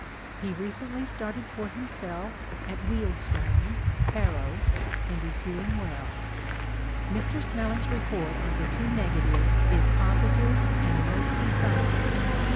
He recently started for him self at Wealdstone (Harrow) and is doing well. 30 HOW THE MATTER AROSE Mr. Snelling's report on the two negatives is positive and most decisive.